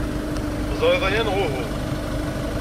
Teẓriḍ aya, neɣ uhu?